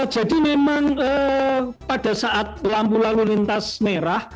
jadi memang pada saat lampu lalu lintas merah